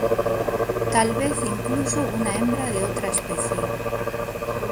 Tal vez incluso una hembra de otra especie.